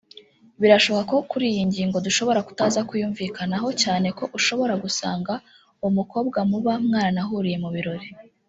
Birashoboka ko kuri iyi ngingo dushobora kutaza kuyumvikanaho cyane ko ushobora gusanga uwo mukobwa muba mwaranahuriye mu birori